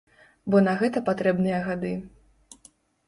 Бо на гэта патрэбныя гады.